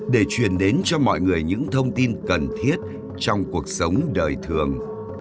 để truyền đến cho mọi người những thông tin cần thiết trong cuộc sống đời thường